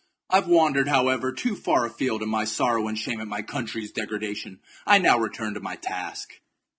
I have wandered, however, too far afield in my sorrow and shame at my country's degradation ; I now return to my task.